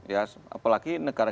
ya apalagi negara